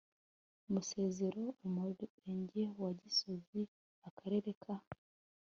musezero umurenge wa gisozi akarere ka